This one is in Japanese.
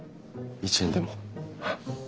一円でも！？